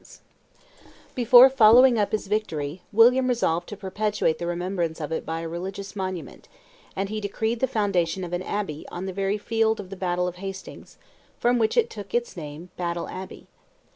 [Illustration: Edith discovers the Body of Harold 360] Before following up his victory, William resolved to perpetuate the remembrance of it by a religious monument, and he decreed the foundation of an abbey on the very field of the battle of Hastings, from which it took its name, Battle Abbey.